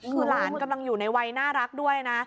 คือหลานกำลังอยู่ในวัยน่ารักด้วยนะ